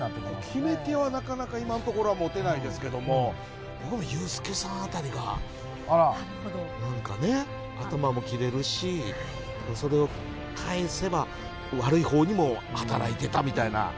決め手はなかなか今のところはもてないですけども、ユースケさんあたりが、なんかね、頭もきれるし、それをかえせば、悪いほうにも働いてたみたいな。